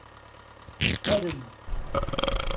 Arem!